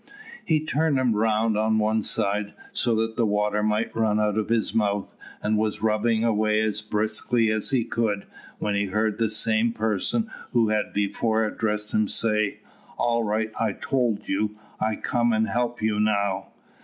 He turned him round on one side, so that the water might run out of his mouth, and was rubbing away as briskly as he could, when he heard the same person who had before addressed him say, "All right, I told you; I come and help you now."